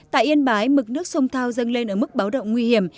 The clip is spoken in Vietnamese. tại yên bái mực nước sông thao dâng lên ở mức báo động nguy hiểm